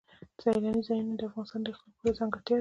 سیلاني ځایونه د افغانستان د اقلیم یوه ځانګړتیا ده.